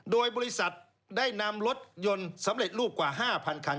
โดยบริษัทได้นำรถยนต์สำเร็จรูปกว่า๕๐๐คัน